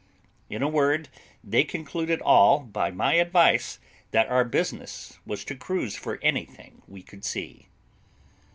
In a word, they concluded all, by my advice, that our business was to cruise for anything we could see.